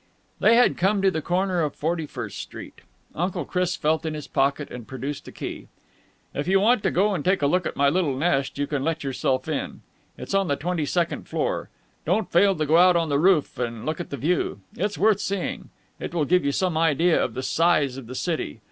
They had come to the corner of Forty first Street. Uncle Chris felt in his pocket and produced a key. "If you want to go and take a look at my little nest, you can let yourself in. It's on the twenty second floor. Don't fail to go out on the roof and look at the view. It's worth seeing. It will give you some idea of the size of the city.